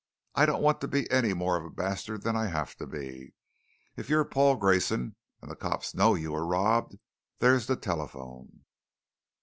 "I don't want to be any more of a bastard than I have to be. If you're Paul Grayson and the cops know you were robbed, there's the telephone."